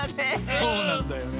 そうなんだよね。